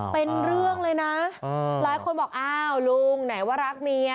เป็นเรื่องเลยนะหลายคนบอกอ้าวลุงไหนว่ารักเมีย